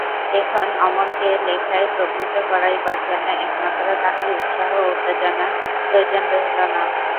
এখন অমলকে লেখায় প্রবৃত্ত করাইবার জন্য একমাত্র তাহারই উৎসাহ ও উত্তেজনার প্রয়োজন রহিল না।